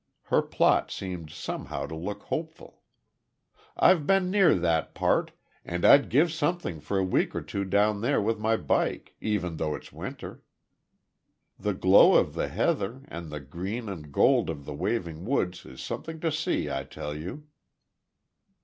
Her plot seemed somehow to look hopeful. "I've been near that part, and I'd give something for a week or two down there now with my bike, even though it is winter. The glow of the heather, and the green and gold of the waving woods is something to see, I tell you."